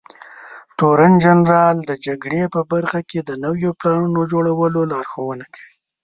تورنجنرال د جګړې په برخه کې د نويو پلانونو جوړولو لارښونه کوي.